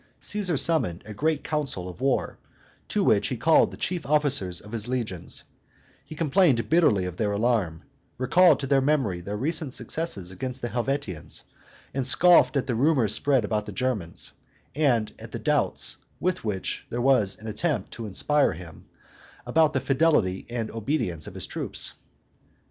Caesar summoned a great council of war, to which he called the chief officers of his legions; he complained bitterly of their alarm, recalled to their memory their recent success against the Helvetians, and scoffed at the rumors spread about the Germans, and at the doubts with which there was an attempt to inspire him about the fidelity and obedience of his troops.